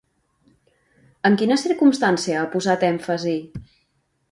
En quina circumstància ha posat èmfasi?